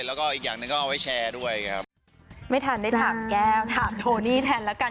แล้วก็อีกอย่างหนึ่งก็เอาไว้แชร์ด้วยครับไม่ทันได้ถามแก้วถามโทนี่แทนแล้วกัน